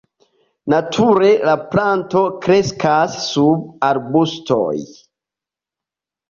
Nature la planto kreskas sub arbustoj.